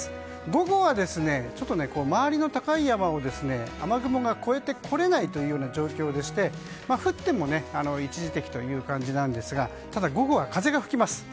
午後は周りの高い山を雨雲が越えてこれないというような状況でして降っても一時的という感じですがただ、午後は風が吹きます。